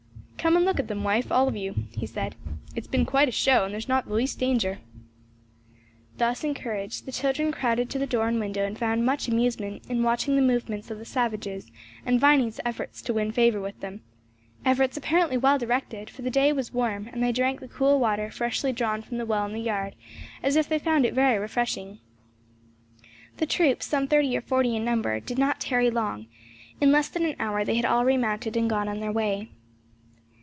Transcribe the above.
"Come and look at them, wife, and all of you," he said, "it's quite a show and there's not the least danger." Thus encouraged the children crowded to the door and window and found much amusement in watching the movements of the savages and Viny's efforts to win favor with them; efforts apparently well directed, for the day was warm and they drank the cool water freshly drawn from the well in the yard, as if they found it very refreshing. The troop some thirty or forty in number did not tarry long; in less than an hour they had all remounted and gone on their way.